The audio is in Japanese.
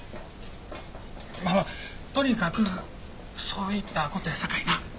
まあまあとにかくそういった事やさかいな。